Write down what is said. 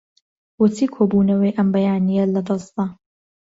بۆچی کۆبوونەوەی ئەم بەیانییەت لەدەست دا؟